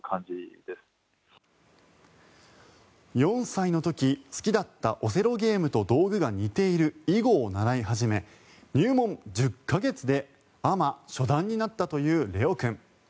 ４歳の時好きだったオセロゲームと道具が似ている囲碁を習い始め入門１０か月でアマ初段になったという怜央君。